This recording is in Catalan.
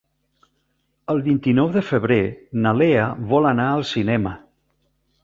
El vint-i-nou de febrer na Lea vol anar al cinema.